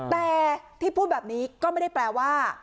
แต่ที่พูดแบบนี้ก็ไม่ได้แปลว่า